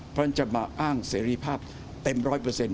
เพราะฉะนั้นจะมาอ้างเสรีภาพเต็มร้อยเปอร์เซ็นต